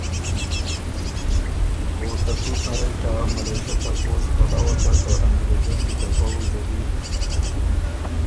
او ته تُوت نرئ ته ملېشۀ ته پوسټ پلؤه که ته انګرېزنی ته پؤځه دی